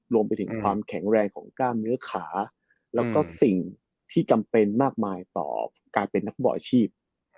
รวมไปถึงความแข็งแรงของกล้ามเนื้อขาแล้วก็สิ่งที่จำเป็นมากมายต่อการเป็นนักฟุตบอลอาชีพ